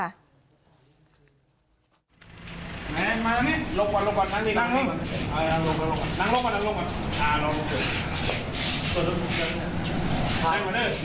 ไหนมานี่ลงก่อนลงก่อนนั่นมีนั่งนั่งลงก่อนนั่งลงก่อนนั่งลงก่อน